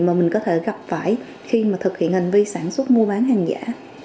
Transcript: mà mình có thể gặp phải khi mà thực hiện hành vi sản xuất mua bán hàng giả